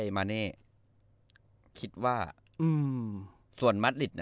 ผมก็คิดอย่างนั้น